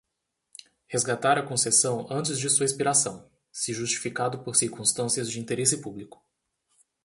Resgatar a concessão antes de sua expiração, se justificado por circunstâncias de interesse público.